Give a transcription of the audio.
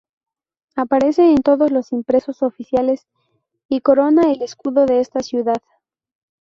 Aparece en todos los impresos oficiales y corona el escudo de esta ciudad.